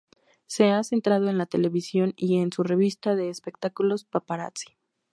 Se ha centrado en la televisión y en su revista de espectáculos "Paparazzi".